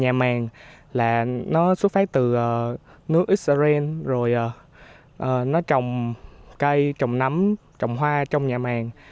nhà màng là nó xuất phát từ nước israel rồi nó trồng cây trồng nấm trồng hoa trong nhà màng